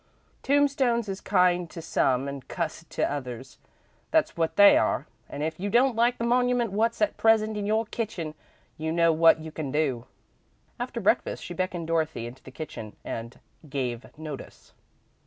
Tombstones is kind to some and cussed to others, that's wot they are, and if you don't like the monument wot's at present in your kitchen, you know wot you can do." After breakfast, she beckoned Dorothy into the kitchen, and "gave notice."